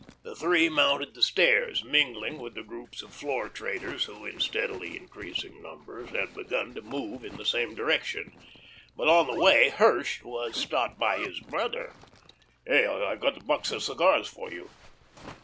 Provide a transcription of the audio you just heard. The three mounted the stairs, mingling with the groups of floor traders who, in steadily increasing numbers, had begun to move in the same direction. But on the way Hirsch was stopped by his brother. "Hey, I got that box of cigars for you."